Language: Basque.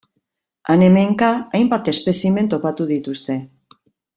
Han-hemenka, hainbat espezimen topatu dituzte.